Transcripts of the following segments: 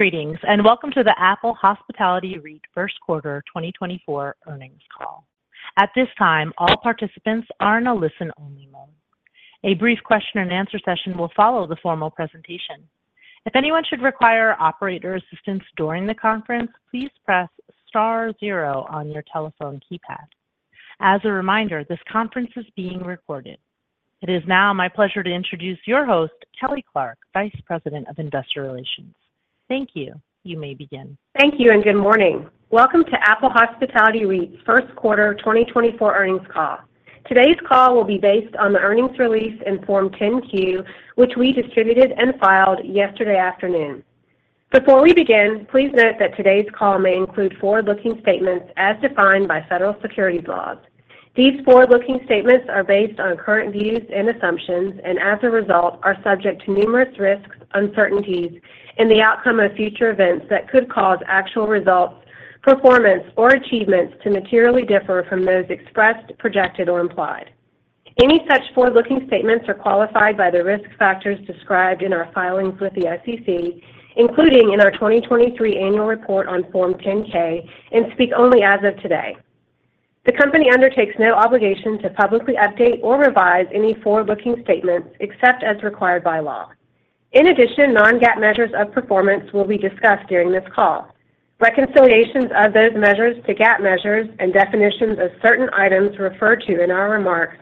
Greetings, and welcome to the Apple Hospitality REIT First Quarter 2024 Earnings Call. At this time, all participants are in a listen-only mode. A brief question-and-answer session will follow the formal presentation. If anyone should require operator assistance during the conference, please press star zero on your telephone keypad. As a reminder, this conference is being recorded. It is now my pleasure to introduce your host, Kelly Clarke, Vice President of Investor Relations. Thank you. You may begin. Thank you, and good morning. Welcome to Apple Hospitality REIT's First Quarter 2024 Earnings Call. Today's call will be based on the earnings release in Form 10-Q, which we distributed and filed yesterday afternoon. Before we begin, please note that today's call may include forward-looking statements as defined by federal securities laws. These forward-looking statements are based on current views and assumptions, and as a result, are subject to numerous risks, uncertainties, and the outcome of future events that could cause actual results, performance, or achievements to materially differ from those expressed, projected, or implied. Any such forward-looking statements are qualified by the risk factors described in our filings with the SEC, including in our 2023 Annual Report on Form 10-K, and speak only as of today. The company undertakes no obligation to publicly update or revise any forward-looking statements, except as required by law. In addition, non-GAAP measures of performance will be discussed during this call. Reconciliations of those measures to GAAP measures and definitions of certain items referred to in our remarks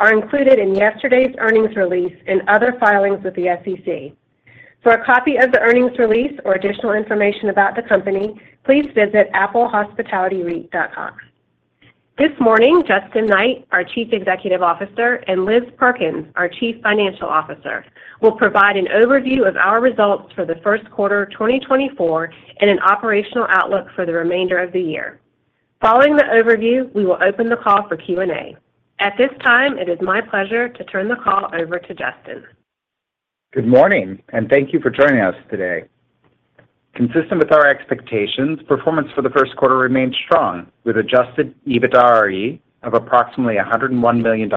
are included in yesterday's earnings release and other filings with the SEC. For a copy of the earnings release or additional information about the company, please visit applehospitalityreit.com. This morning, Justin Knight, our Chief Executive Officer, and Liz Perkins, our Chief Financial Officer, will provide an overview of our results for the first quarter of 2024 and an operational outlook for the remainder of the year. Following the overview, we will open the call for Q&A. At this time, it is my pleasure to turn the call over to Justin. Good morning, and thank you for joining us today. Consistent with our expectations, performance for the first quarter remained strong, with Adjusted EBITDAre of approximately $101 million,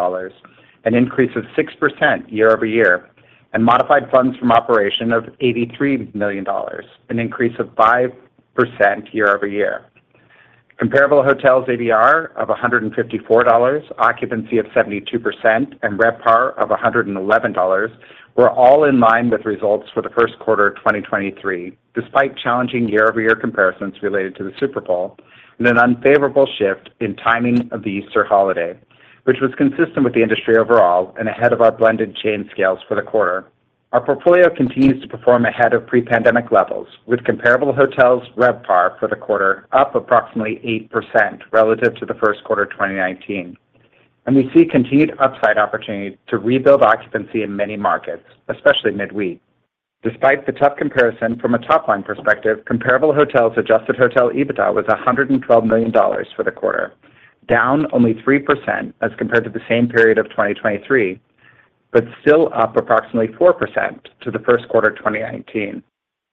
an increase of 6% year-over-year, and Modified Funds From Operations of $83 million, an increase of 5% year-over-year. Comparable hotels ADR of $154, occupancy of 72%, and RevPAR of $111 were all in line with results for the first quarter of 2023, despite challenging year-over-year comparisons related to the Super Bowl and an unfavorable shift in timing of the Easter holiday, which was consistent with the industry overall and ahead of our blended chain scales for the quarter. Our portfolio continues to perform ahead of pre-pandemic levels, with comparable hotels RevPAR for the quarter up approximately 8% relative to the first quarter of 2019, and we see continued upside opportunity to rebuild occupancy in many markets, especially midweek. Despite the tough comparison from a top-line perspective, comparable hotels Adjusted Hotel EBITDA was $112 million for the quarter, down only 3% as compared to the same period of 2023, but still up approximately 4% to the first quarter of 2019,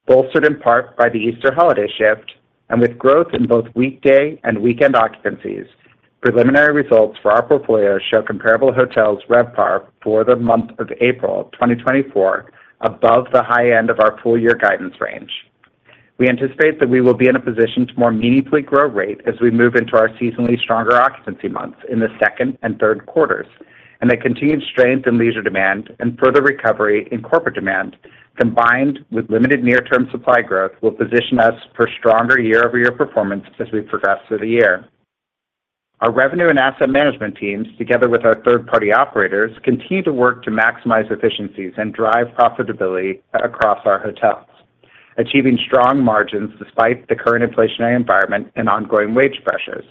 bolstered in part by the Easter holiday shift and with growth in both weekday and weekend occupancies. Preliminary results for our portfolio show comparable hotels RevPAR for the month of April 2024 above the high end of our full year guidance range. We anticipate that we will be in a position to more meaningfully grow rate as we move into our seasonally stronger occupancy months in the second and third quarters, and that continued strength in leisure demand and further recovery in corporate demand, combined with limited near-term supply growth, will position us for stronger year-over-year performance as we progress through the year. Our revenue and asset management teams, together with our third-party operators, continue to work to maximize efficiencies and drive profitability across our hotels, achieving strong margins despite the current inflationary environment and ongoing wage pressures.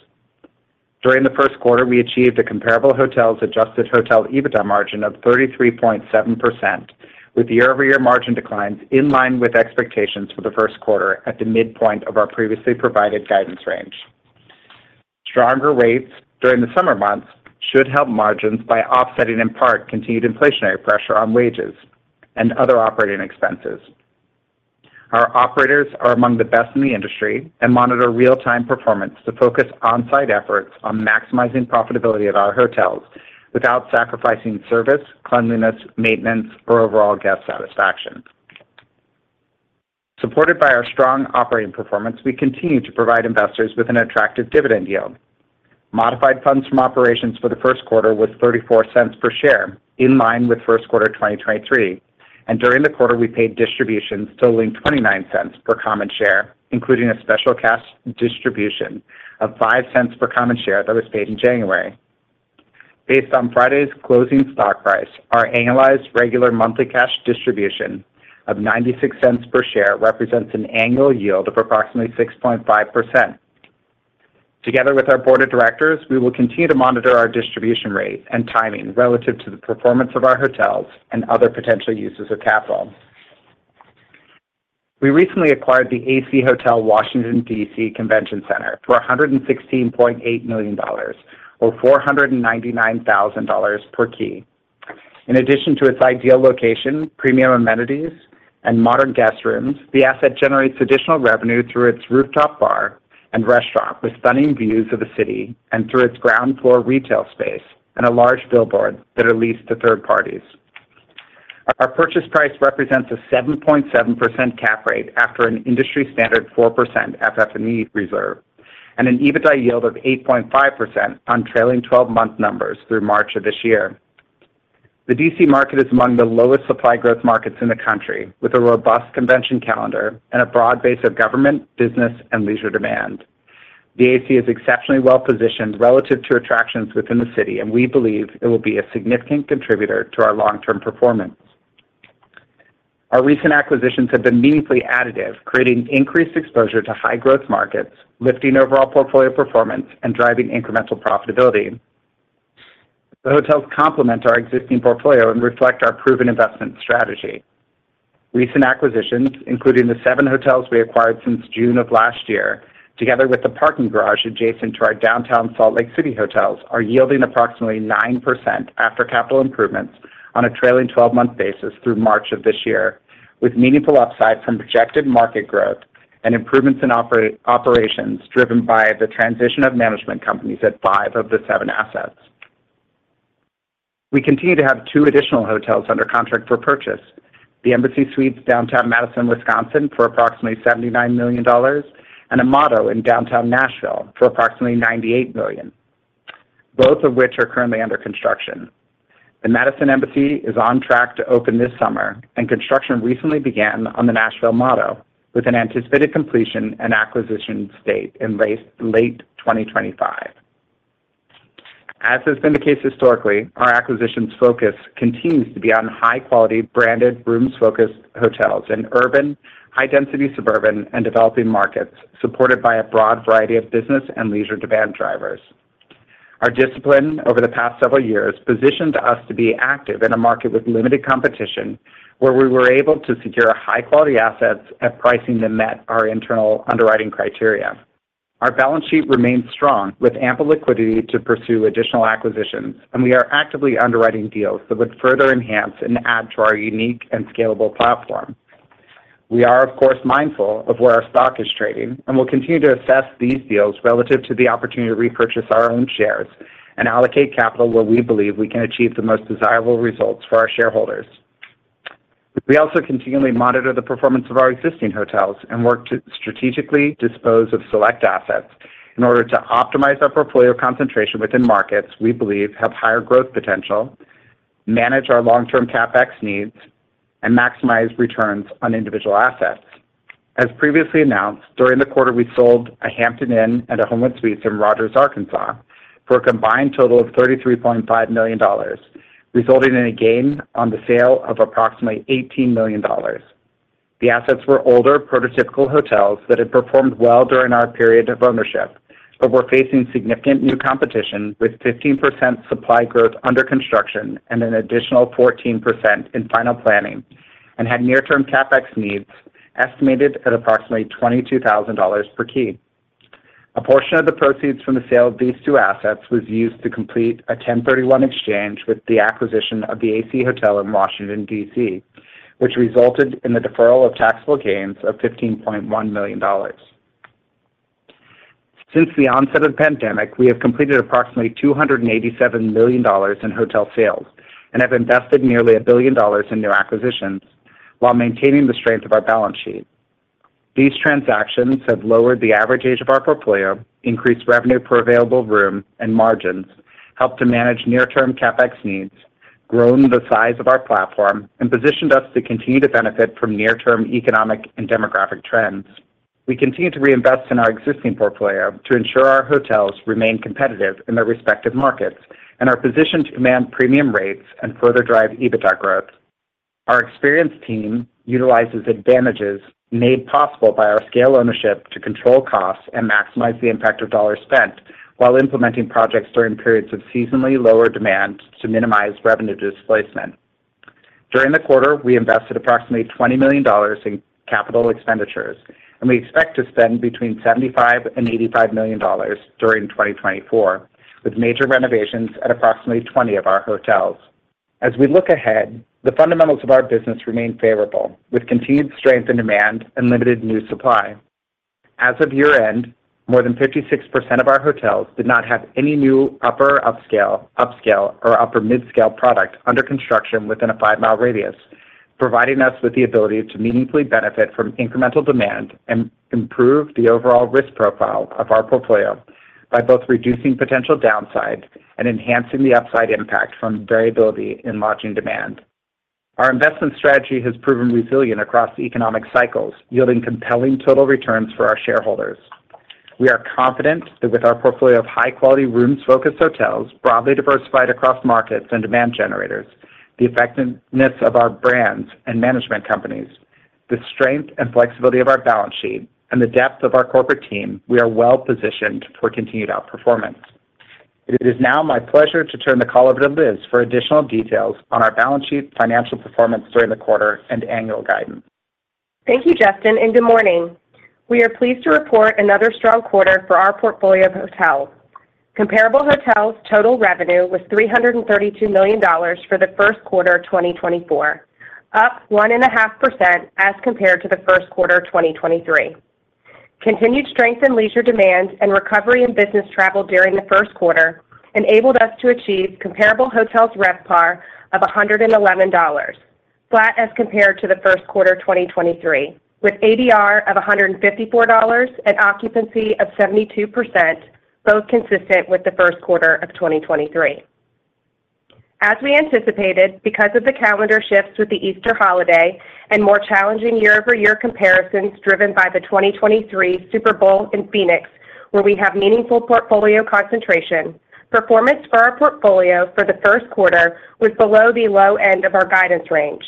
During the first quarter, we achieved a comparable hotels Adjusted Hotel EBITDA margin of 33.7%, with year-over-year margin declines in line with expectations for the first quarter at the midpoint of our previously provided guidance range. Stronger rates during the summer months should help margins by offsetting, in part, continued inflationary pressure on wages and other operating expenses. Our operators are among the best in the industry and monitor real-time performance to focus on-site efforts on maximizing profitability at our hotels without sacrificing service, cleanliness, maintenance, or overall guest satisfaction. Supported by our strong operating performance, we continue to provide investors with an attractive dividend yield. Modified Funds From Operations for the first quarter was $0.34 per share, in line with first quarter 2023, and during the quarter, we paid distributions totaling $0.29 per common share, including a special cash distribution of $0.05 per common share that was paid in January. Based on Friday's closing stock price, our annualized regular monthly cash distribution of $0.96 per share represents an annual yield of approximately 6.5%. Together with our board of directors, we will continue to monitor our distribution rate and timing relative to the performance of our hotels and other potential uses of capital. We recently acquired the AC Hotel Washington DC Convention Center for $116.8 million, or $499,000 per key. In addition to its ideal location, premium amenities, and modern guest rooms, the asset generates additional revenue through its rooftop bar and restaurant, with stunning views of the city, and through its ground floor retail space and a large billboard that are leased to third parties. Our purchase price represents a 7.7% cap rate after an industry standard 4% FF&E reserve and an EBITDA yield of 8.5% on trailing 12 month numbers through March of this year. The D.C. market is among the lowest supply growth markets in the country, with a robust convention calendar and a broad base of government, business, and leisure demand. The AC is exceptionally well positioned relative to attractions within the city, and we believe it will be a significant contributor to our long-term performance. Our recent acquisitions have been meaningfully additive, creating increased exposure to high growth markets, lifting overall portfolio performance, and driving incremental profitability. The hotels complement our existing portfolio and reflect our proven investment strategy. Recent acquisitions, including the seven hotels we acquired since June of last year, together with the parking garage adjacent to our downtown Salt Lake City hotels, are yielding approximately 9% after capital improvements on a trailing 12-month basis through March of this year, with meaningful upside from projected market growth and improvements in operations, driven by the transition of management companies at five of the seven assets. We continue to have two additional hotels under contract for purchase: the Embassy Suites, downtown Madison, Wisconsin, for approximately $79 million, and a Motto in downtown Nashville for approximately $98 million, both of which are currently under construction. The Madison Embassy is on track to open this summer, and construction recently began on the Nashville Motto, with an anticipated completion and acquisition date in late 2025. As has been the case historically, our acquisitions focus continues to be on high-quality, branded, room-focused hotels in urban, high-density, suburban, and developing markets, supported by a broad variety of business and leisure demand drivers. Our discipline over the past several years positioned us to be active in a market with limited competition, where we were able to secure high-quality assets at pricing that met our internal underwriting criteria. Our balance sheet remains strong, with ample liquidity to pursue additional acquisitions, and we are actively underwriting deals that would further enhance and add to our unique and scalable platform. We are, of course, mindful of where our stock is trading and will continue to assess these deals relative to the opportunity to repurchase our own shares and allocate capital where we believe we can achieve the most desirable results for our shareholders. We also continually monitor the performance of our existing hotels and work to strategically dispose of select assets in order to optimize our portfolio concentration within markets we believe have higher growth potential, manage our long-term CapEx needs, and maximize returns on individual assets. As previously announced, during the quarter, we sold a Hampton Inn and a Homewood Suites in Rogers, Arkansas, for a combined total of $33.5 million, resulting in a gain on the sale of approximately $18 million. The assets were older, prototypical hotels that had performed well during our period of ownership but were facing significant new competition, with 15% supply growth under construction and an additional 14% in final planning, and had near-term CapEx needs estimated at approximately $22,000 per key. A portion of the proceeds from the sale of these two assets was used to complete a 1031 exchange with the acquisition of the AC Hotel in Washington, D.C., which resulted in the deferral of taxable gains of $15.1 million. Since the onset of the pandemic, we have completed approximately $287 million in hotel sales and have invested nearly $1 billion in new acquisitions while maintaining the strength of our balance sheet. These transactions have lowered the average age of our portfolio, increased revenue per available room and margins, helped to manage near-term CapEx needs, grown the size of our platform, and positioned us to continue to benefit from near-term economic and demographic trends. We continue to reinvest in our existing portfolio to ensure our hotels remain competitive in their respective markets and are positioned to command premium rates and further drive EBITDA growth. Our experienced team utilizes advantages made possible by our scale ownership to control costs and maximize the impact of dollars spent, while implementing projects during periods of seasonally lower demand to minimize revenue displacement. During the quarter, we invested approximately $20 million in capital expenditures, and we expect to spend between $75 million-$85 million during 2024, with major renovations at approximately 20 of our hotels. As we look ahead, the fundamentals of our business remain favorable, with continued strength in demand and limited new supply. As of year-end, more than 56% of our hotels did not have any new upper upscale, upscale, or upper midscale product under construction within a five-mile radius, providing us with the ability to meaningfully benefit from incremental demand and improve the overall risk profile of our portfolio by both reducing potential downside and enhancing the upside impact from variability in lodging demand. Our investment strategy has proven resilient across economic cycles, yielding compelling total returns for our shareholders. We are confident that with our portfolio of high-quality, room-focused hotels broadly diversified across markets and demand generators, the effectiveness of our brands and management companies, the strength and flexibility of our balance sheet, and the depth of our corporate team, we are well positioned for continued outperformance. It is now my pleasure to turn the call over to Liz for additional details on our balance sheet, financial performance during the quarter, and annual guidance. Thank you, Justin, and good morning. We are pleased to report another strong quarter for our portfolio of hotels. Comparable hotels' total revenue was $332 million for the first quarter of 2024, up 1.5% as compared to the first quarter of 2023. Continued strength in leisure demand and recovery in business travel during the first quarter enabled us to achieve comparable hotels RevPAR of $111, flat as compared to the first quarter 2023, with ADR of $154 and occupancy of 72%, both consistent with the first quarter of 2023. As we anticipated, because of the calendar shifts with the Easter holiday and more challenging year-over-year comparisons driven by the 2023 Super Bowl in Phoenix, where we have meaningful portfolio concentration, performance for our portfolio for the first quarter was below the low end of our guidance range.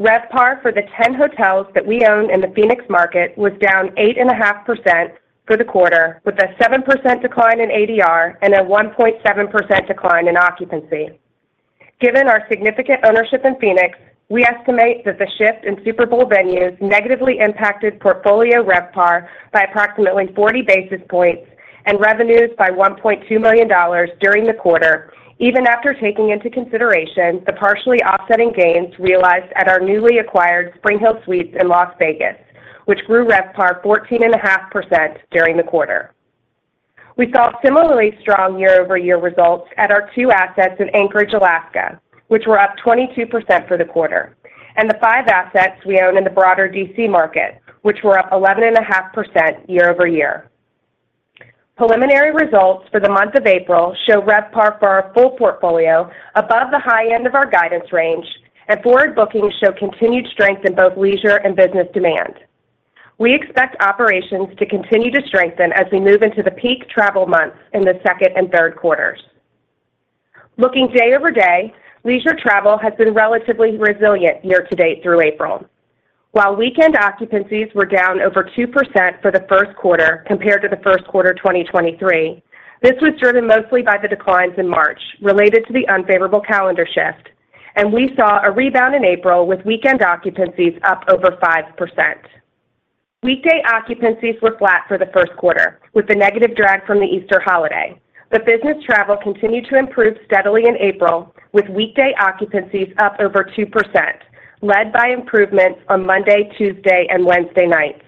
RevPAR for the 10 hotels that we own in the Phoenix market was down 8.5% for the quarter, with a 7% decline in ADR and a 1.7% decline in occupancy. Given our significant ownership in Phoenix, we estimate that the shift in Super Bowl venues negatively impacted portfolio RevPAR by approximately 40 basis points and revenues by $1.2 million during the quarter, even after taking into consideration the partially offsetting gains realized at our newly acquired SpringHill Suites in Las Vegas, which grew RevPAR 14.5% during the quarter. We saw similarly strong year-over-year results at our two assets in Anchorage, Alaska, which were up 22% for the quarter, and the five assets we own in the broader D.C. market, which were up 11.5% year-over-year. Preliminary results for the month of April show RevPAR for our full portfolio above the high end of our guidance range, and forward bookings show continued strength in both leisure and business demand. We expect operations to continue to strengthen as we move into the peak travel months in the second and third quarters. Looking day-over-day, leisure travel has been relatively resilient year to date through April. While weekend occupancies were down over 2% for the first quarter compared to the first quarter 2023, this was driven mostly by the declines in March related to the unfavorable calendar shift, and we saw a rebound in April with weekend occupancies up over 5%. Weekday occupancies were flat for the first quarter, with a negative drag from the Easter holiday. But business travel continued to improve steadily in April, with weekday occupancies up over 2%, led by improvements on Monday, Tuesday, and Wednesday nights.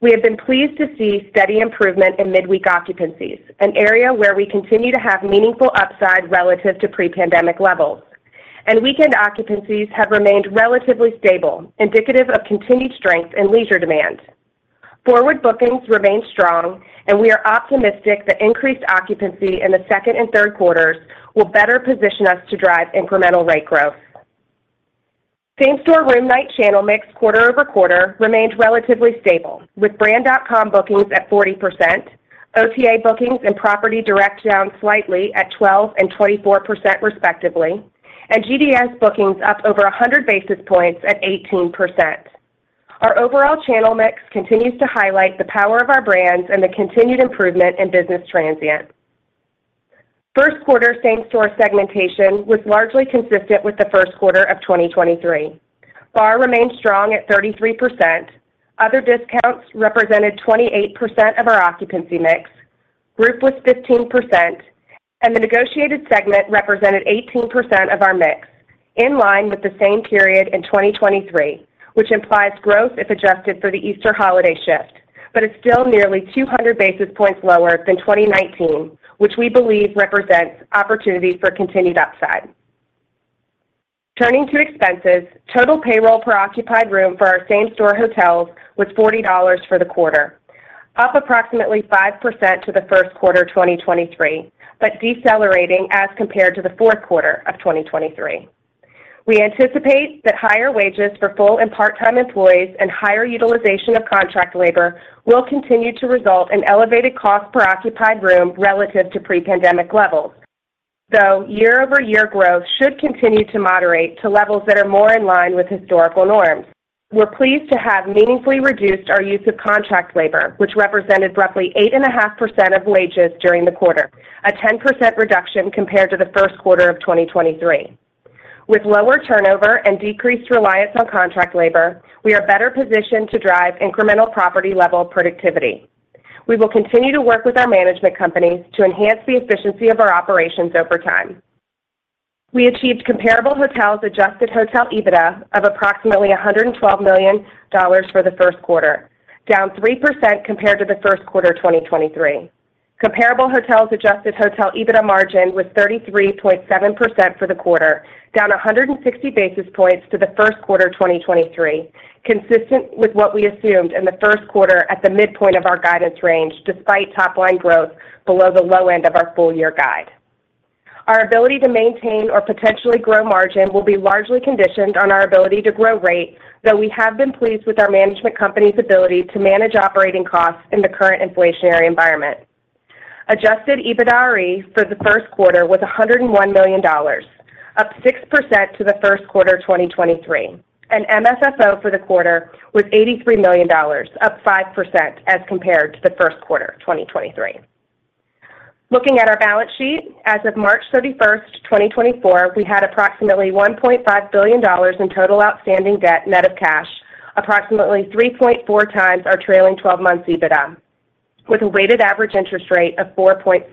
We have been pleased to see steady improvement in midweek occupancies, an area where we continue to have meaningful upside relative to pre-pandemic levels, and weekend occupancies have remained relatively stable, indicative of continued strength in leisure demand. Forward bookings remain strong, and we are optimistic that increased occupancy in the second and third quarters will better position us to drive incremental rate growth. Same-store room night channel mix quarter-over-quarter remained relatively stable, with brand.com bookings at 40%, OTA bookings and property direct down slightly at 12% and 24%, respectively, and GDS bookings up over a hundred basis points at 18%. Our overall channel mix continues to highlight the power of our brands and the continued improvement in business transient. First quarter same-store segmentation was largely consistent with the first quarter of 2023. BAR remained strong at 33%. Other discounts represented 28% of our occupancy mix. Group was 15%, and the negotiated segment represented 18% of our mix, in line with the same period in 2023, which implies growth if adjusted for the Easter holiday shift, but is still nearly 200 basis points lower than 2019, which we believe represents opportunity for continued upside. Turning to expenses, total payroll per occupied room for our same-store hotels was $40 for the quarter, up approximately 5% to the first quarter 2023, but decelerating as compared to the fourth quarter of 2023. We anticipate that higher wages for full and part-time employees and higher utilization of contract labor will continue to result in elevated cost per occupied room relative to pre-pandemic levels, though year-over-year growth should continue to moderate to levels that are more in line with historical norms. We're pleased to have meaningfully reduced our use of contract labor, which represented roughly 8.5% of wages during the quarter, a 10% reduction compared to the first quarter of 2023. With lower turnover and decreased reliance on contract labor, we are better positioned to drive incremental property-level productivity. We will continue to work with our management companies to enhance the efficiency of our operations over time. We achieved comparable hotels Adjusted Hotel EBITDA of approximately $112 million for the first quarter, down 3% compared to the first quarter 2023. Comparable hotels Adjusted Hotel EBITDA margin was 33.7% for the quarter, down 160 basis points to the first quarter 2023, consistent with what we assumed in the first quarter at the midpoint of our guidance range, despite top-line growth below the low end of our full-year guide. Our ability to maintain or potentially grow margin will be largely conditioned on our ability to grow rate, though we have been pleased with our management company's ability to manage operating costs in the current inflationary environment. Adjusted EBITDAre for the first quarter was $101 million, up 6% to the first quarter 2023, and MFFO for the quarter was $83 million, up 5% as compared to the first quarter 2023. Looking at our balance sheet, as of March 31, 2024, we had approximately $1.5 billion in total outstanding debt net of cash, approximately 3.4x our trailing 12 months EBITDA, with a weighted average interest rate of 4.6%.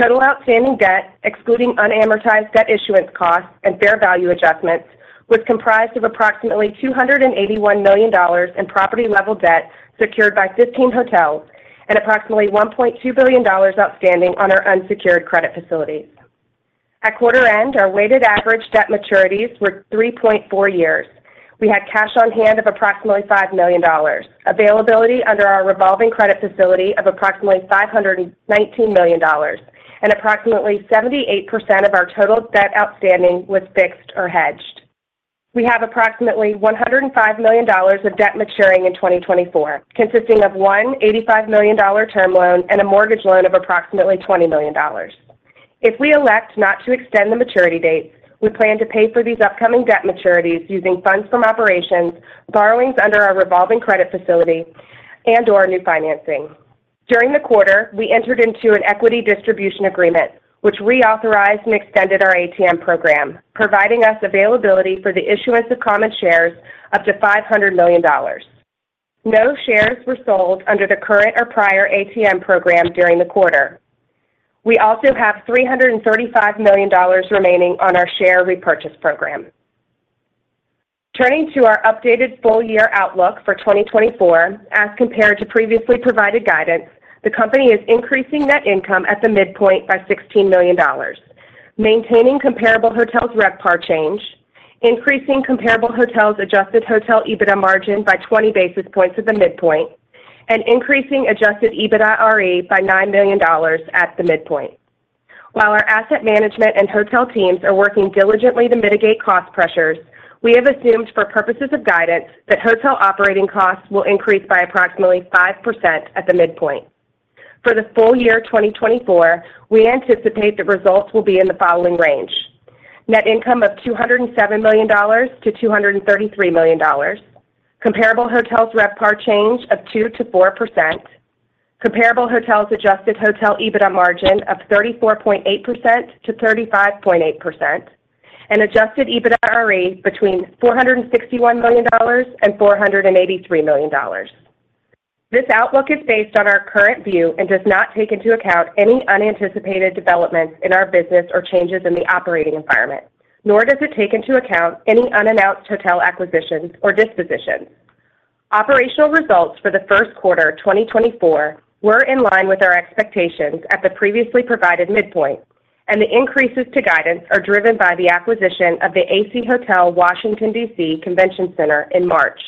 Total outstanding debt, excluding unamortized debt issuance costs and fair value adjustments, was comprised of approximately $281 million in property-level debt secured by 15 hotels and approximately $1.2 billion outstanding on our unsecured credit facilities. At quarter end, our weighted average debt maturities were 3.4 years. We had cash on hand of approximately $5 million, availability under our revolving credit facility of approximately $519 million, and approximately 78% of our total debt outstanding was fixed or hedged. We have approximately $105 million of debt maturing in 2024, consisting of $185 million term loan and a mortgage loan of approximately $20 million. If we elect not to extend the maturity dates, we plan to pay for these upcoming debt maturities using funds from operations, borrowings under our revolving credit facility, and, or new financing. During the quarter, we entered into an equity distribution agreement, which reauthorized and extended our ATM program, providing us availability for the issuance of common shares up to $500 million. No shares were sold under the current or prior ATM program during the quarter. We also have $335 million remaining on our share repurchase program. Turning to our updated full-year outlook for 2024, as compared to previously provided guidance, the company is increasing net income at the midpoint by $16 million, maintaining comparable hotels RevPAR change, increasing comparable hotels Adjusted Hotel EBITDA margin by 20 basis points at the midpoint, and increasing Adjusted EBITDAre by $9 million at the midpoint. While our asset management and hotel teams are working diligently to mitigate cost pressures, we have assumed, for purposes of guidance, that hotel operating costs will increase by approximately 5% at the midpoint. For the full year 2024, we anticipate that results will be in the following range: Net income of $207 million-$233 million. Comparable hotels RevPAR change of 2%-4%. Comparable hotels Adjusted Hotel EBITDA margin of 34.8%-35.8%, and Adjusted EBITDAre between $461 million and $483 million. This outlook is based on our current view and does not take into account any unanticipated developments in our business or changes in the operating environment, nor does it take into account any unannounced hotel acquisitions or dispositions. Operational results for the first quarter 2024 were in line with our expectations at the previously provided midpoint, and the increases to guidance are driven by the acquisition of the AC Hotel Washington DC Convention Center in March.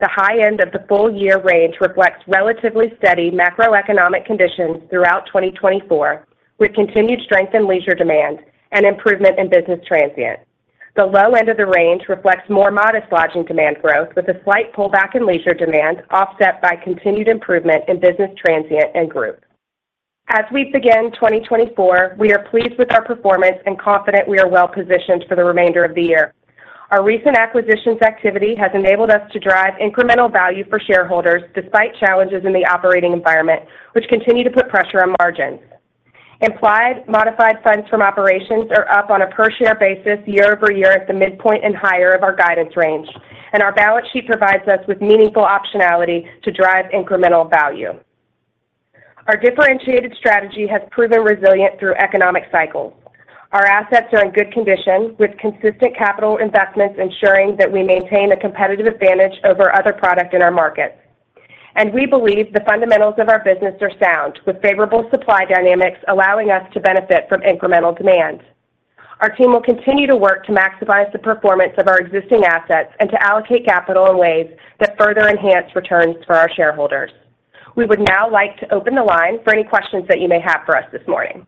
The high end of the full year range reflects relatively steady macroeconomic conditions throughout 2024, with continued strength in leisure demand and improvement in business transient. The low end of the range reflects more modest lodging demand growth, with a slight pullback in leisure demand, offset by continued improvement in business transient and group. As we begin 2024, we are pleased with our performance and confident we are well positioned for the remainder of the year. Our recent acquisitions activity has enabled us to drive incremental value for shareholders, despite challenges in the operating environment, which continue to put pressure on margins. Implied Modified Funds From Operations are up on a per-share basis year-over-year at the midpoint and higher of our guidance range, and our balance sheet provides us with meaningful optionality to drive incremental value. Our differentiated strategy has proven resilient through economic cycles. Our assets are in good condition, with consistent capital investments, ensuring that we maintain a competitive advantage over other product in our markets. We believe the fundamentals of our business are sound, with favorable supply dynamics allowing us to benefit from incremental demand. Our team will continue to work to maximize the performance of our existing assets and to allocate capital in ways that further enhance returns for our shareholders. We would now like to open the line for any questions that you may have for us this morning.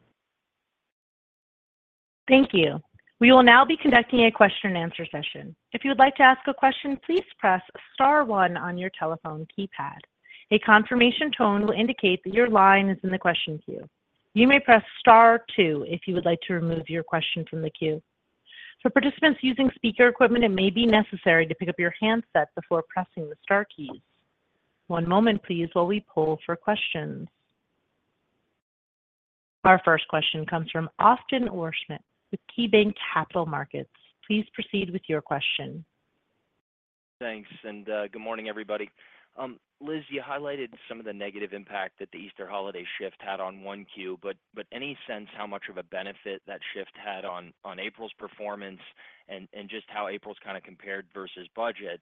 Thank you. We will now be conducting a question and answer session. If you would like to ask a question, please press star one on your telephone keypad. A confirmation tone will indicate that your line is in the question queue. You may press star two if you would like to remove your question from the queue. For participants using speaker equipment, it may be necessary to pick up your handset before pressing the star keys. One moment please while we poll for questions. Our first question comes from Austin Wurschmidt with KeyBanc Capital Markets. Please proceed with your question. Thanks, and good morning, everybody. Liz, you highlighted some of the negative impact that the Easter holiday shift had on 1Q, but any sense how much of a benefit that shift had on April's performance and just how April's kind of compared versus budget?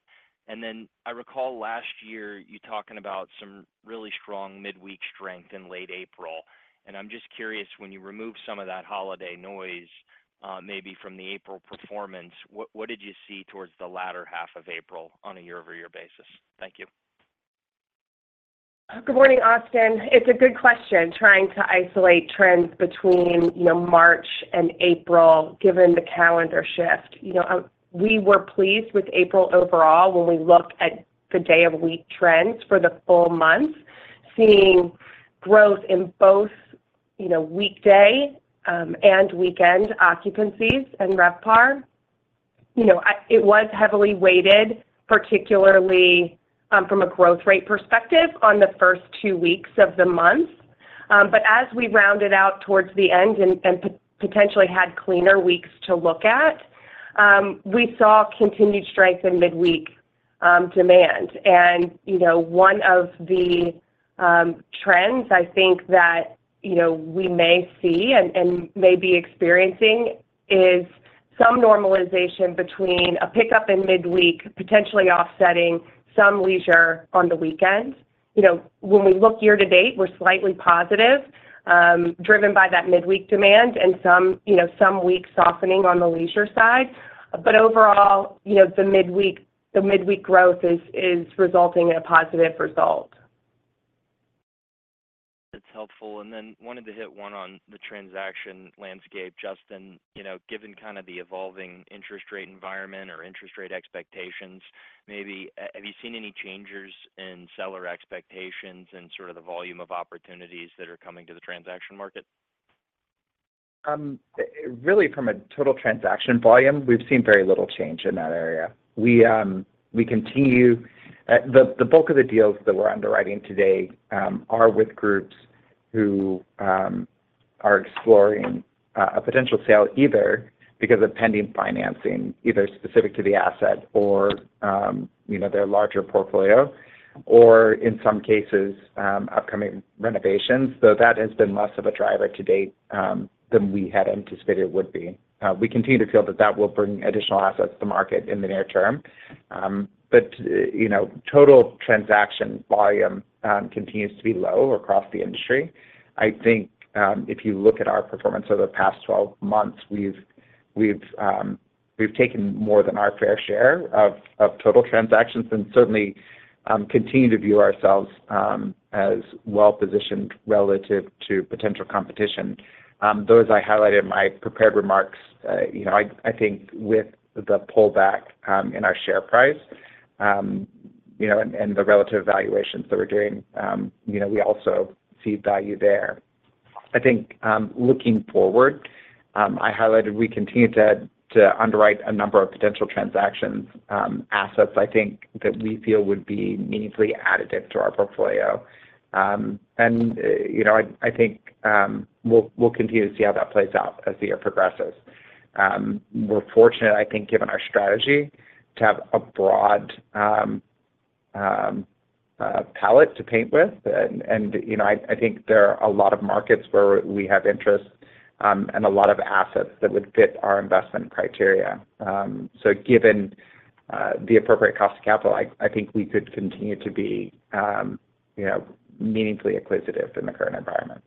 And then I recall last year you talking about some really strong midweek strength in late April, and I'm just curious, when you remove some of that holiday noise, maybe from the April performance, what did you see towards the latter half of April on a year-over-year basis? Thank you. Good morning, Austin. It's a good question, trying to isolate trends between, you know, March and April, given the calendar shift. You know, we were pleased with April overall when we looked at the day-of-week trends for the full month, seeing growth in both, you know, weekday and weekend occupancies and RevPAR. You know, it was heavily weighted, particularly from a growth rate perspective, on the first two weeks of the month. But as we rounded out towards the end and potentially had cleaner weeks to look at, we saw continued strength in midweek demand. You know, one of the trends I think that, you know, we may see and may be experiencing is some normalization between a pickup in midweek, potentially offsetting some leisure on the weekend. You know, when we look year to date, we're slightly positive, driven by that midweek demand and some, you know, some weak softening on the leisure side. But overall, you know, the midweek, the midweek growth is, is resulting in a positive result. That's helpful. And then wanted to hit one on the transaction landscape. Justin, you know, given kind of the evolving interest rate environment or interest rate expectations, maybe, have you seen any changes in seller expectations and sort of the volume of opportunities that are coming to the transaction market? Really, from a total transaction volume, we've seen very little change in that area. We continue the bulk of the deals that we're underwriting today are with groups who are exploring a potential sale, either because of pending financing, either specific to the asset or, you know, their larger portfolio, or in some cases, upcoming renovations. So that has been less of a driver to date than we had anticipated it would be. We continue to feel that that will bring additional assets to market in the near term. But, you know, total transaction volume continues to be low across the industry. I think, if you look at our performance over the past 12 months, we've taken more than our fair share of total transactions, and certainly continue to view ourselves as well-positioned relative to potential competition. Those I highlighted in my prepared remarks, you know, I think with the pullback in our share price, you know, and the relative valuations that we're doing, you know, we also see value there. I think, looking forward, I highlighted we continue to underwrite a number of potential transactions, assets, I think, that we feel would be meaningfully additive to our portfolio. And, you know, I think, we'll continue to see how that plays out as the year progresses. We're fortunate, I think, given our strategy, to have a broad palette to paint with. You know, I think there are a lot of markets where we have interest, and a lot of assets that would fit our investment criteria. So given the appropriate cost of capital, I think we could continue to be, you know, meaningfully acquisitive in the current environment.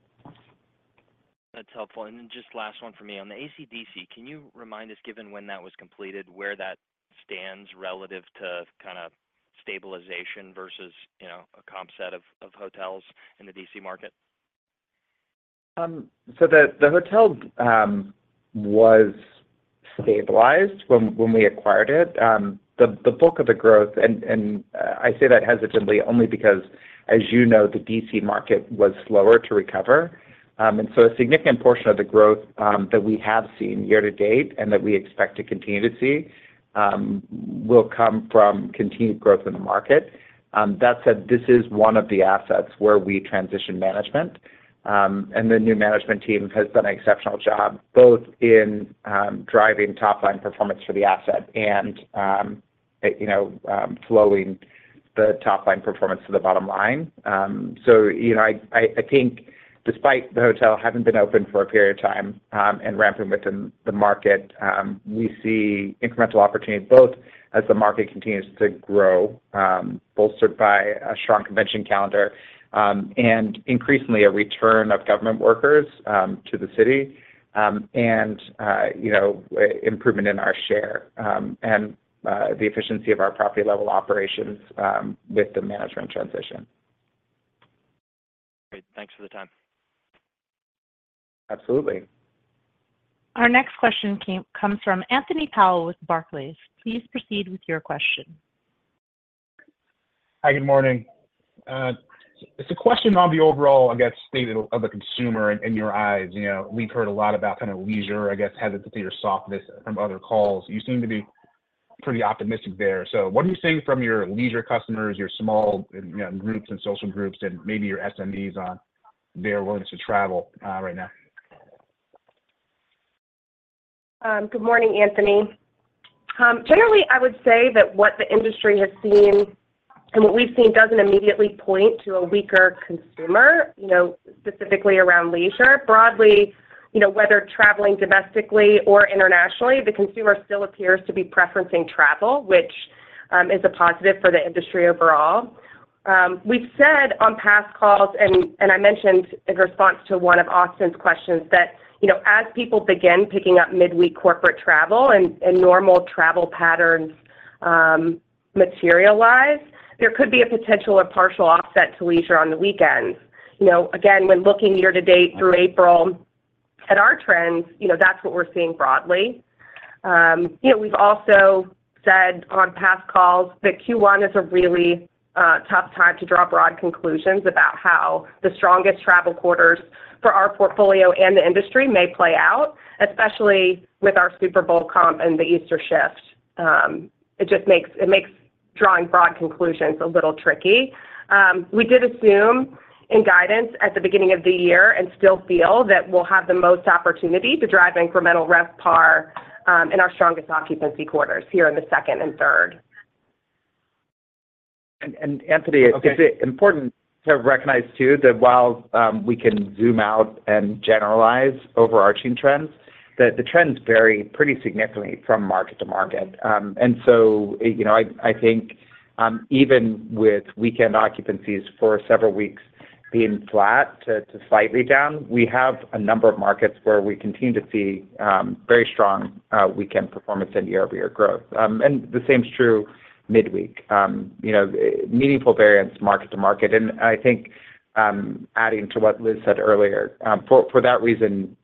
That's helpful. Then just last one for me. On the AC D.C., can you remind us, given when that was completed, where that stands relative to kind of stabilization versus, you know, a comp set of hotels in the D.C. market? So the hotel was stabilized when we acquired it. The bulk of the growth... And I say that hesitantly, only because, as you know, the D.C. market was slower to recover. And so a significant portion of the growth that we have seen year to date and that we expect to continue to see will come from continued growth in the market. That said, this is one of the assets where we transitioned management, and the new management team has done an exceptional job, both in driving top-line performance for the asset and, you know, flowing the top-line performance to the bottom line. So you know, I think despite the hotel having been open for a period of time, and ramping with the market, we see incremental opportunities both as the market continues to grow, bolstered by a strong convention calendar, and increasingly a return of government workers to the city, and you know, improvement in our share, and the efficiency of our property-level operations, with the management transition. Great. Thanks for the time. Absolutely. Our next question comes from Anthony Powell with Barclays. Please proceed with your question. Hi, good morning. It's a question on the overall, I guess, state of, of the consumer in your eyes. You know, we've heard a lot about kind of leisure, I guess, hesitancy or softness from other calls. You seem to be pretty optimistic there. So what are you seeing from your leisure customers, your small, you know, groups and social groups, and maybe your SMBs on their willingness to travel, right now? Good morning, Anthony. Generally, I would say that what the industry has seen and what we've seen doesn't immediately point to a weaker consumer, you know, specifically around leisure. Broadly, you know, whether traveling domestically or internationally, the consumer still appears to be preferencing travel, which is a positive for the industry overall. We've said on past calls, and I mentioned in response to one of Austin's questions, that, you know, as people begin picking up midweek corporate travel and normal travel patterns, materialize, there could be a potential or partial offset to leisure on the weekends. You know, again, when looking year-to-date through April at our trends, you know, that's what we're seeing broadly. You know, we've also said on past calls that Q1 is a really, tough time to draw broad conclusions about how the strongest travel quarters for our portfolio and the industry may play out, especially with our Super Bowl comp and the Easter shift. It just makes drawing broad conclusions a little tricky. We did assume in guidance at the beginning of the year and still feel that we'll have the most opportunity to drive incremental RevPAR in our strongest occupancy quarters here in the second and third.... And Anthony, is it important to recognize too, that while we can zoom out and generalize overarching trends, that the trends vary pretty significantly from market to market. And so, you know, I think, even with weekend occupancies for several weeks being flat to slightly down, we have a number of markets where we continue to see very strong weekend performance and year-over-year growth. And the same is true midweek. You know, meaningful variance market to market, and I think, adding to what Liz said earlier, for that reason,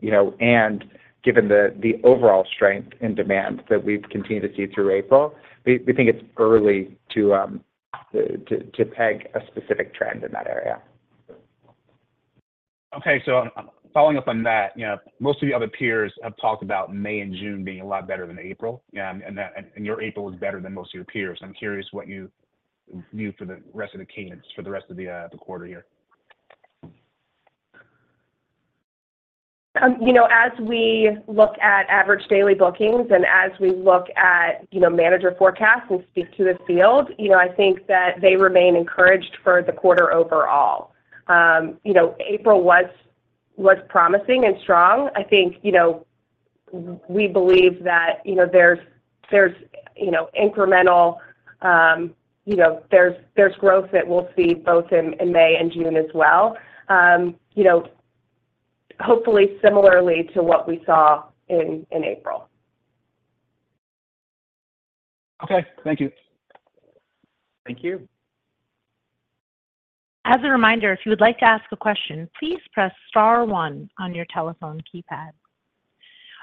you know, and given the overall strength and demand that we've continued to see through April, we think it's early to peg a specific trend in that area. Okay. So following up on that, you know, most of your other peers have talked about May and June being a lot better than April, yeah, and that, and your April was better than most of your peers. I'm curious what you view for the rest of the cadence for the rest of the, the quarter here. You know, as we look at average daily bookings and as we look at, you know, manager forecasts and speak to the field, you know, I think that they remain encouraged for the quarter overall. You know, April was promising and strong. I think, you know, we believe that, you know, incremental, there's growth that we'll see both in May and June as well, you know, hopefully similarly to what we saw in April. Okay. Thank you. Thank you. As a reminder, if you would like to ask a question, please press star one on your telephone keypad.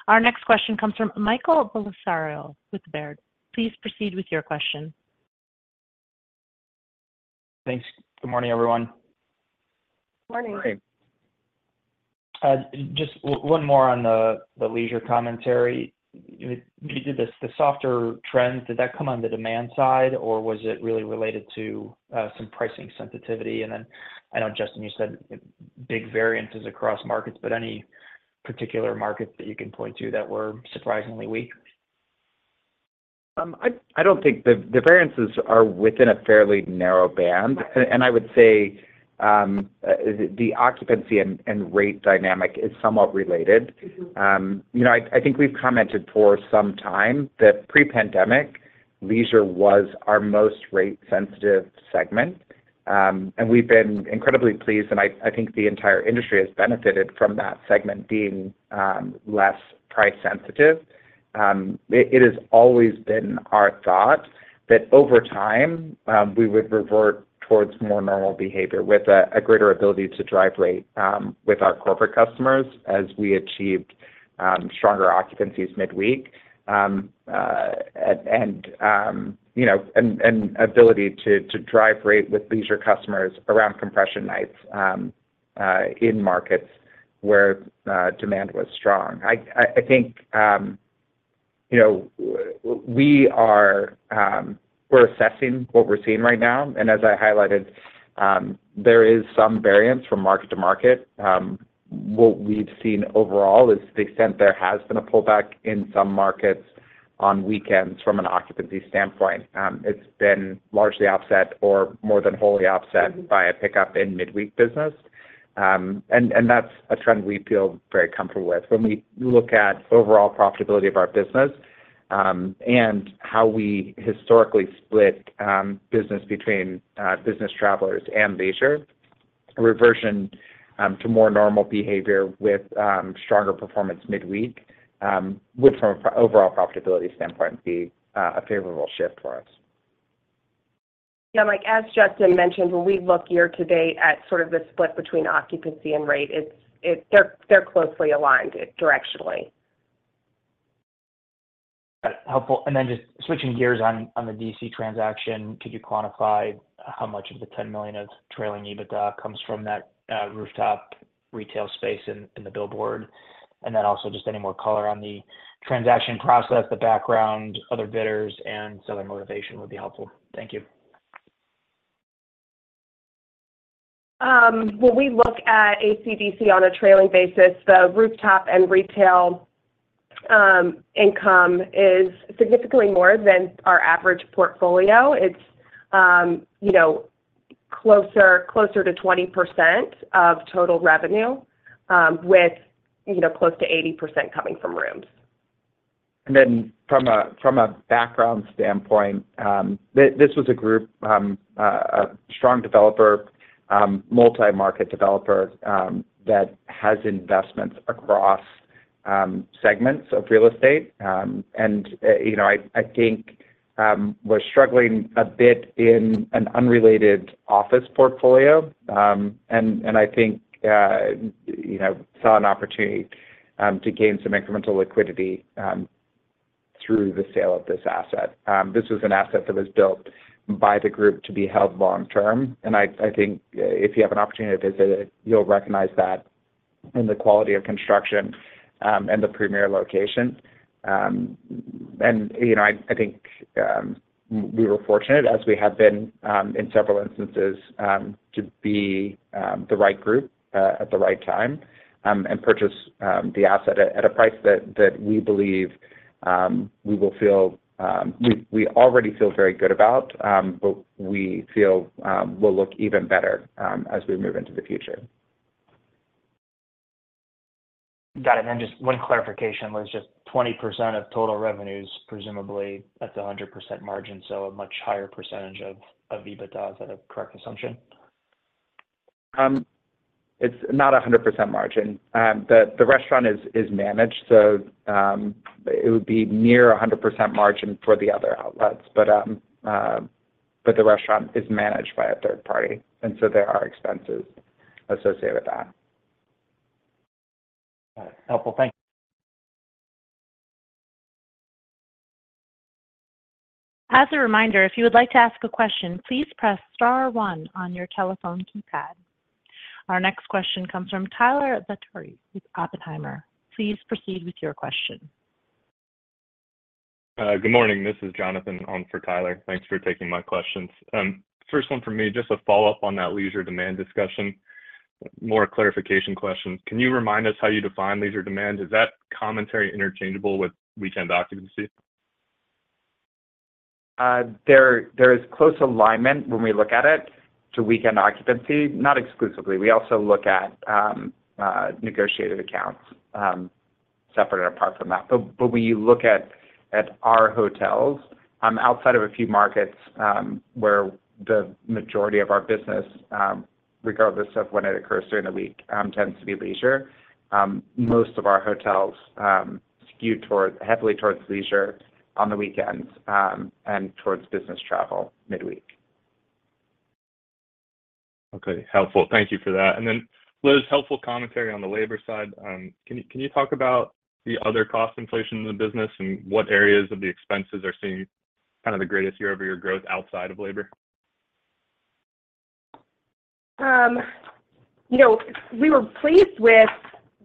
Our next question comes from Michael Bellisario with Baird. Please proceed with your question. Thanks. Good morning, everyone. Morning. Morning. Just one more on the leisure commentary. You did the softer trends. Did that come on the demand side, or was it really related to some pricing sensitivity? And then I know, Justin, you said big variances across markets, but any particular markets that you can point to that were surprisingly weak? I don't think the variances are within a fairly narrow band. Right. And I would say, the occupancy and rate dynamic is somewhat related. You know, I think we've commented for some time that pre-pandemic, leisure was our most rate-sensitive segment. And we've been incredibly pleased, and I think the entire industry has benefited from that segment being less price sensitive. It has always been our thought that over time, we would revert towards more normal behavior with a greater ability to drive rate with our corporate customers as we achieved stronger occupancies midweek, and you know, and ability to drive rate with leisure customers around compression nights in markets where demand was strong. I think you know, we are we're assessing what we're seeing right now, and as I highlighted, there is some variance from market to market. What we've seen overall is the extent there has been a pullback in some markets on weekends from an occupancy standpoint. It's been largely offset or more than wholly offset-... by a pickup in midweek business. And that's a trend we feel very comfortable with. When we look at overall profitability of our business, and how we historically split business between business travelers and leisure, reversion to more normal behavior with stronger performance midweek, would from a overall profitability standpoint, be a favorable shift for us. Yeah, Mike, as Justin mentioned, when we look year-to-date at sort of the split between occupancy and rate, it's, they're closely aligned directionally. Got it. Helpful. Then just switching gears on the D.C. transaction, could you quantify how much of the $10 million of trailing EBITDA comes from that rooftop retail space in the billboard? And then also, just any more color on the transaction process, the background, other bidders, and seller motivation would be helpful. Thank you. When we look at AC D.C. on a trailing basis, the rooftop and retail income is significantly more than our average portfolio. It's, you know, closer, closer to 20% of total revenue, with, you know, close to 80% coming from rooms. And then from a background standpoint, this was a group, a strong developer, multi-market developer, that has investments across segments of real estate. And, you know, I think we're struggling a bit in an unrelated office portfolio, and I think, you know, saw an opportunity to gain some incremental liquidity through the sale of this asset. This was an asset that was built by the group to be held long term, and I think if you have an opportunity to visit it, you'll recognize that in the quality of construction and the premier location. You know, I think we were fortunate, as we have been in several instances, to be the right group at the right time and purchase the asset at a price that we believe we will feel... We already feel very good about, but we feel will look even better as we move into the future. Got it. And then just one clarification, Liz, just 20% of total revenues, presumably at the 100% margin, so a much higher percentage of EBITDA. Is that a correct assumption? It's not 100% margin. The restaurant is managed, so it would be near 100% margin for the other outlets. But the restaurant is managed by a third party, and so there are expenses associated with that. Got it. Helpful. Thank you. As a reminder, if you would like to ask a question, please press star one on your telephone keypad. Our next question comes from Tyler Batory with Oppenheimer. Please proceed with your question. Good morning, this is Jonathan on for Tyler. Thanks for taking my questions. First one from me, just a follow-up on that leisure demand discussion, more clarification questions. Can you remind us how you define leisure demand? Is that commentary interchangeable with weekend occupancy? There is close alignment when we look at it to weekend occupancy, not exclusively. We also look at negotiated accounts, separate and apart from that. But when you look at our hotels, outside of a few markets, where the majority of our business, regardless of when it occurs during the week, tends to be leisure, most of our hotels skew toward heavily towards leisure on the weekends, and towards business travel midweek. Okay, helpful. Thank you for that. And then, Liz, helpful commentary on the labor side. Can you talk about the other cost inflation in the business and what areas of the expenses are seeing kind of the greatest year-over-year growth outside of labor? You know, we were pleased with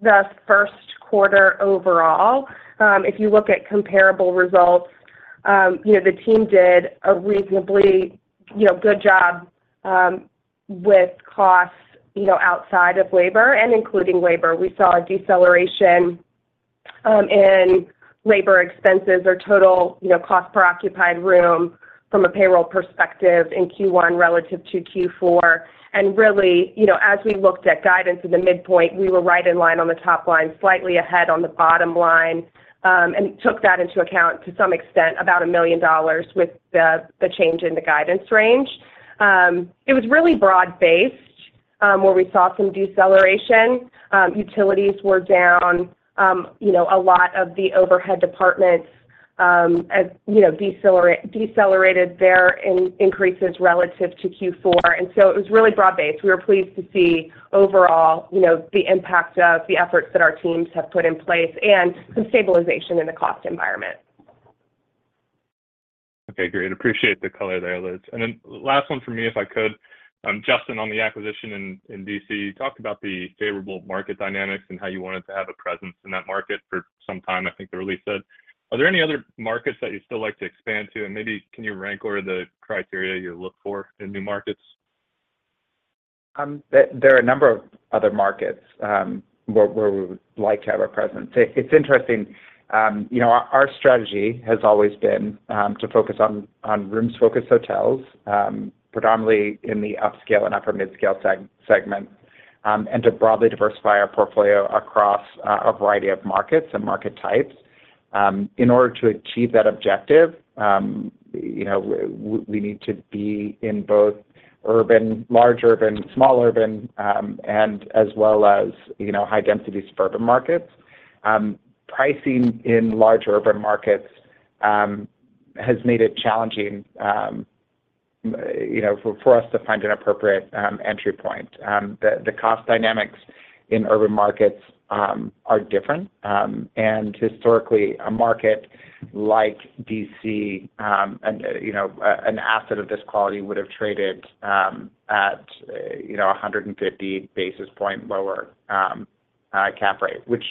the first quarter overall. If you look at comparable results, you know, the team did a reasonably, you know, good job, with costs, you know, outside of labor and including labor. We saw a deceleration, in labor expenses or total, you know, cost per occupied room from a payroll perspective in Q1 relative to Q4. And really, you know, as we looked at guidance in the midpoint, we were right in line on the top line, slightly ahead on the bottom line, and took that into account to some extent, about $1 million with the change in the guidance range. It was really broad-based, where we saw some deceleration. Utilities were down, you know, a lot of the overhead departments, as you know, decelerated their increases relative to Q4. So it was really broad-based. We were pleased to see overall, you know, the impact of the efforts that our teams have put in place and some stabilization in the cost environment. Okay, great. Appreciate the color there, Liz. And then last one for me, if I could. Justin, on the acquisition in D.C., you talked about the favorable market dynamics and how you wanted to have a presence in that market for some time, I think the release said. Are there any other markets that you'd still like to expand to? And maybe can you rank order the criteria you look for in new markets? There are a number of other markets where we would like to have a presence. It's interesting, you know, our strategy has always been to focus on rooms-focused hotels, predominantly in the upscale and upper mid-scale segment, and to broadly diversify our portfolio across a variety of markets and market types. In order to achieve that objective, you know, we need to be in both urban, large urban, small urban, and as well as, you know, high-density suburban markets. Pricing in large urban markets has made it challenging, you know, for us to find an appropriate entry point. The cost dynamics in urban markets are different. And historically, a market like D.C., and, you know, an asset of this quality would have traded at, you know, 150 basis point lower cap rate, which,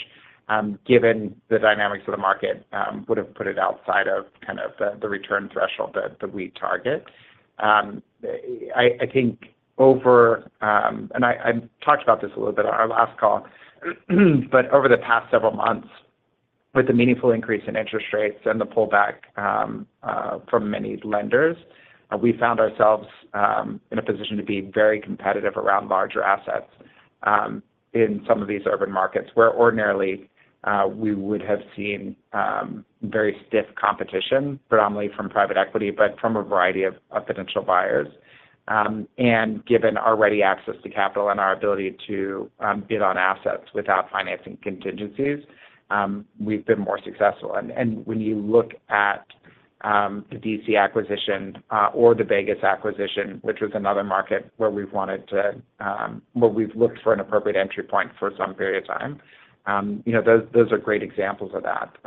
given the dynamics of the market, would have put it outside of kind of the return threshold that we target. I think over... And I talked about this a little bit on our last call, but over the past several months, with the meaningful increase in interest rates and the pullback from many lenders, we found ourselves in a position to be very competitive around larger assets in some of these urban markets, where ordinarily we would have seen very stiff competition, predominantly from private equity, but from a variety of potential buyers. And given our ready access to capital and our ability to bid on assets without financing contingencies, we've been more successful. And when you look at the D.C. acquisition or the Vegas acquisition, which was another market where we've looked for an appropriate entry point for some period of time, you know, those are great examples of that.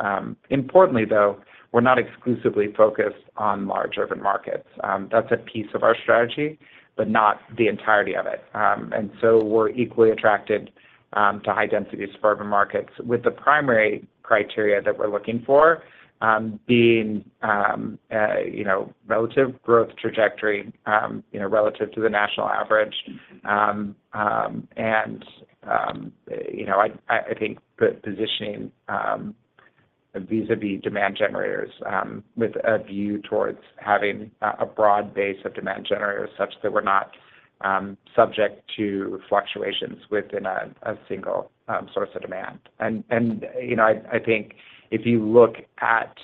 Importantly, though, we're not exclusively focused on large urban markets. That's a piece of our strategy, but not the entirety of it. And so we're equally attracted to high-density suburban markets, with the primary criteria that we're looking for being you know, relative growth trajectory, you know, relative to the national average. And you know, I think the positioning... vis-à-vis demand generators, with a view towards having a broad base of demand generators such that we're not subject to fluctuations within a single source of demand. You know, I think if you look at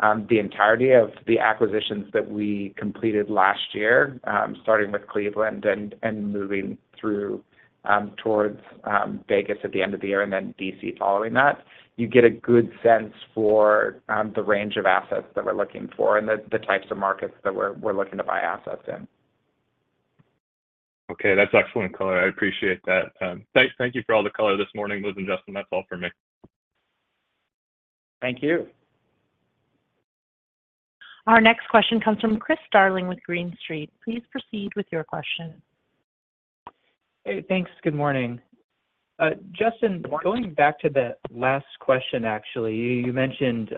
the entirety of the acquisitions that we completed last year, starting with Cleveland and moving through towards Vegas at the end of the year, and then D.C. following that, you get a good sense for the range of assets that we're looking for and the types of markets that we're looking to buy assets in. Okay, that's excellent color. I appreciate that. Thank you for all the color this morning, Liz and Justin. That's all for me. Thank you. Our next question comes from Chris Darling with Green Street. Please proceed with your question. Hey, thanks. Good morning. Justin- Good morning. Going back to the last question, actually, you mentioned,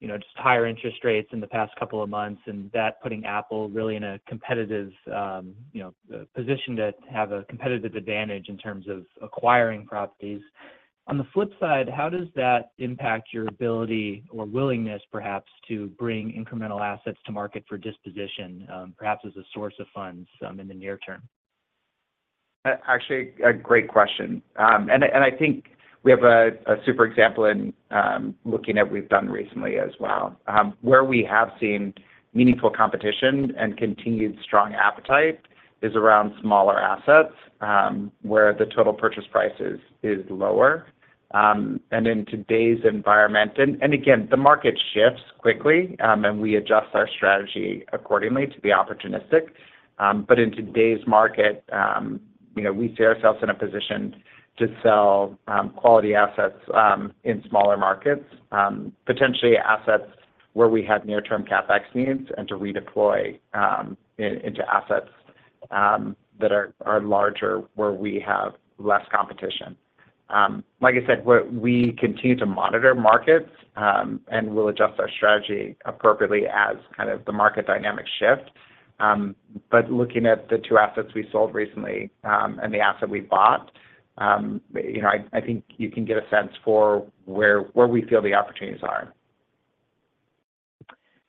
you know, just higher interest rates in the past couple of months, and that putting Apple really in a competitive, you know, position to have a competitive advantage in terms of acquiring properties. On the flip side, how does that impact your ability or willingness, perhaps, to bring incremental assets to market for disposition, perhaps as a source of funds, in the near term? Actually, a great question. And I think we have a super example in looking at what we've done recently as well. Where we have seen meaningful competition and continued strong appetite is around smaller assets, where the total purchase price is lower. And in today's environment... And again, the market shifts quickly, and we adjust our strategy accordingly to be opportunistic. But in today's market, you know, we see ourselves in a position to sell quality assets in smaller markets, potentially assets where we have near-term CapEx needs, and to redeploy into assets that are larger, where we have less competition. Like I said, we continue to monitor markets, and we'll adjust our strategy appropriately as kind of the market dynamics shift. Looking at the two assets we sold recently, and the asset we bought, you know, I think you can get a sense for where we feel the opportunities are.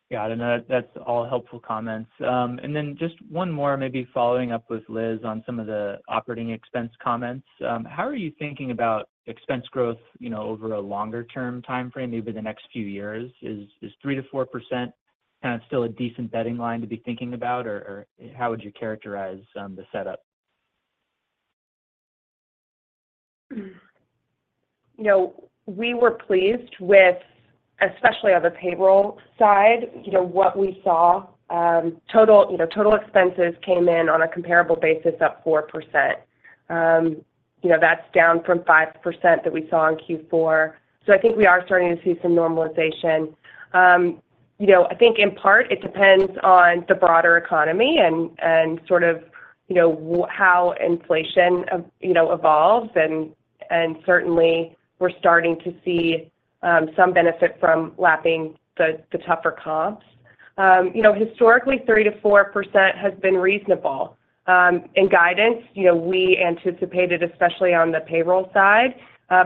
Got it. And that, that's all helpful comments. And then just one more, maybe following up with Liz on some of the operating expense comments. How are you thinking about expense growth, you know, over a longer term timeframe, maybe the next few years? Is 3%-4% kind of still a decent betting line to be thinking about, or how would you characterize the setup? You know, we were pleased with, especially on the payroll side, you know, what we saw. Total, you know, total expenses came in on a comparable basis, up 4%. You know, that's down from 5% that we saw in Q4. So I think we are starting to see some normalization. You know, I think in part, it depends on the broader economy and sort of, you know, how inflation, you know, evolves, and certainly, we're starting to see some benefit from lapping the tougher comps. You know, historically, 3%-4% has been reasonable. In guidance, you know, we anticipated, especially on the payroll side,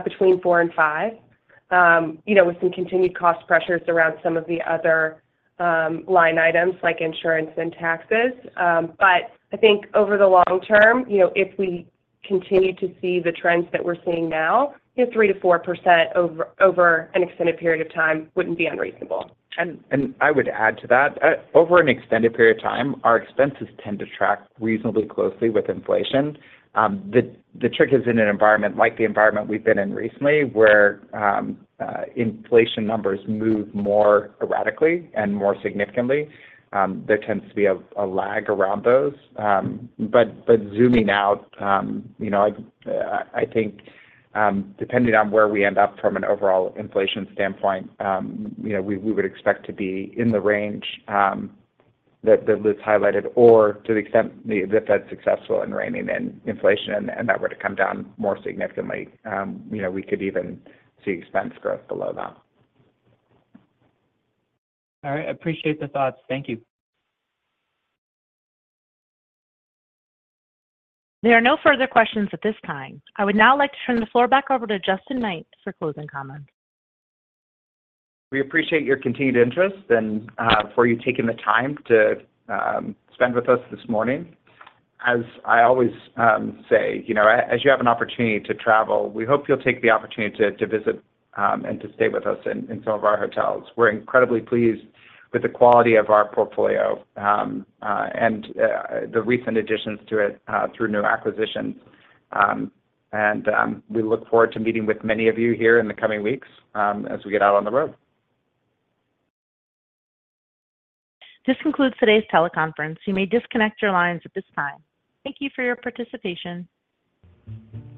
between 4% and 5%, you know, with some continued cost pressures around some of the other line items like insurance and taxes. But I think over the long term, you know, if we continue to see the trends that we're seeing now, yeah, 3%-4% over an extended period of time wouldn't be unreasonable. I would add to that, over an extended period of time, our expenses tend to track reasonably closely with inflation. The trick is in an environment like the environment we've been in recently, where inflation numbers move more erratically and more significantly, there tends to be a lag around those. But zooming out, you know, I think, depending on where we end up from an overall inflation standpoint, you know, we would expect to be in the range that Liz highlighted, or to the extent the Fed's successful in reining in inflation and that were to come down more significantly, you know, we could even see expense growth below that. All right. I appreciate the thoughts. Thank you. There are no further questions at this time. I would now like to turn the floor back over to Justin Knight for closing comments. We appreciate your continued interest and for you taking the time to spend with us this morning. As I always say, you know, as you have an opportunity to travel, we hope you'll take the opportunity to visit and to stay with us in some of our hotels. We're incredibly pleased with the quality of our portfolio and the recent additions to it through new acquisitions. And we look forward to meeting with many of you here in the coming weeks as we get out on the road. This concludes today's teleconference. You may disconnect your lines at this time. Thank you for your participation.